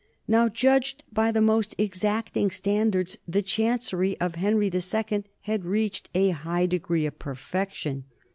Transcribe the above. Now, judged by the most exacting standards, the chancery of Henry II had reached a high degree of per fection.